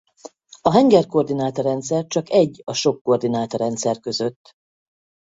A hengerkoordináta-rendszer csak egy a sok koordináta-rendszer között.